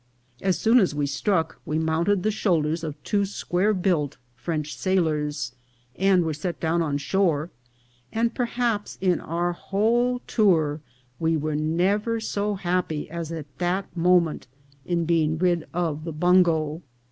As soon as we struck we mounted the shoulders of two square built French sailors, and were set down on shore, and perhaps in our whole tour we were never so happy as at that moment in being rid of the bungo.